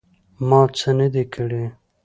_ما څه نه دي کړي.